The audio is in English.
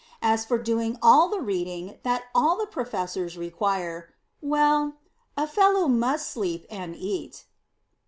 As for doing all the reading that all the Professors require well, a fellow must sleep and eat.